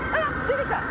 出てきた。